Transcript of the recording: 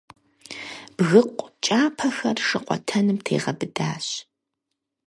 Бгыкъу кӀапэхэр шыкъуэтэным тегъэбыдащ.